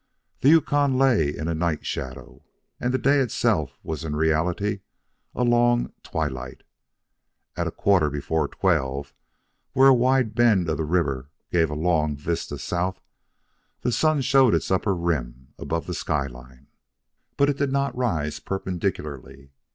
The Yukon lay in a night shadow, and the day itself was in reality a long twilight light. At a quarter before twelve, where a wide bend of the river gave a long vista south, the sun showed its upper rim above the sky line. But it did not rise perpendicularly.